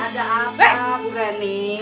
ada apa bu reni